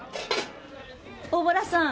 大洞さん。